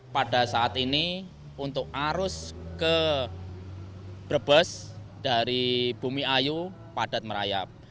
pada saat ini untuk arus ke brebes dari bumi ayu padat merayap